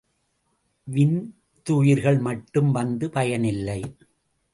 விந்துயிர்கள் மட்டும் வந்து பயனில்லை.